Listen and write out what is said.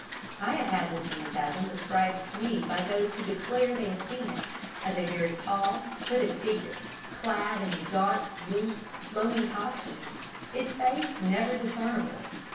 I have had this phantasm described to me, by those who declare they have seen it, as a very tall, hooded figure, clad in a dark, loose, flowing costume its face never discernible.